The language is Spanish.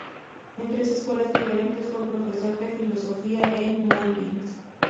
En tres escuelas diferentes, fue profesor de filosofía en Moulins.